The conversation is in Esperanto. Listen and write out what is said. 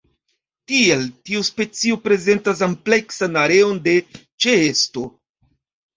Tiel tiu specio prezentas ampleksan areon de ĉeesto.